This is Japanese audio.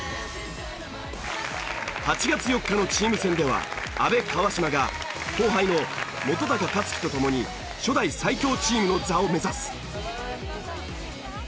８月４日のチーム戦では阿部川島が後輩の本克樹と共に初代最強チームの座を目指す。